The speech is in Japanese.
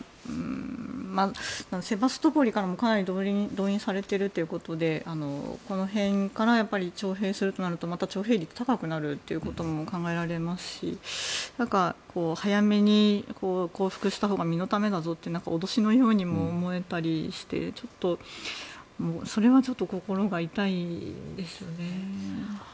セバストポリからもかなり動員されているということでこの辺から徴兵するとなるとまた高くなるということも考えられますし早めに降伏したほうが身のためだぞと脅しのようにも思えたりしてそれはちょっと心が痛いですよね。